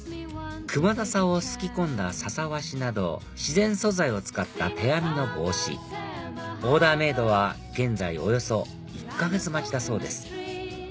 クマザサをすき込んだささ和紙など自然素材を使った手編みの帽子オーダーメイドは現在およそ１か月待ちだそうです